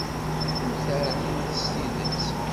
Ur teɛlimeḍ s tidet.